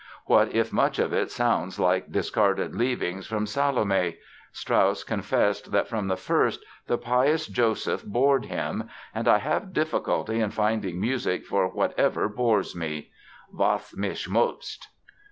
What if much of it sounds like discarded leavings from "Salome"? Strauss confessed that from the first the pious Joseph bored him, "and I have difficulty in finding music for whatever bores me" ("was mich mopst").